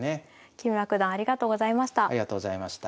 木村九段ありがとうございました。